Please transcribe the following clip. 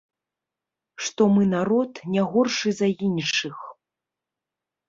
Што мы народ, не горшы за іншых.